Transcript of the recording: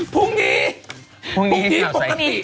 พรุ่งนี้พรุ่งนี้ปกติ